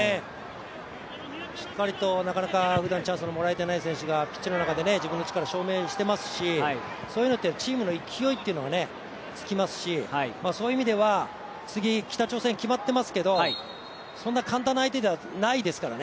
しっかりと、なかなかふだんチャンスをもらえていない選手たちがピッチの中で自分の力を証明してますしそういうのって、チームの勢いっていうのがつきますしそういう意味では、次北朝鮮決まってますけどそんな簡単な相手ではないですからね。